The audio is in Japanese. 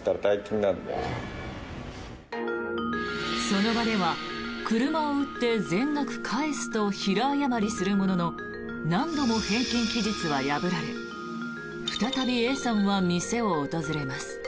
その場では車を売って全額返すと平謝りするものの何度も返金期日は破られ再びＡさんは店を訪れます。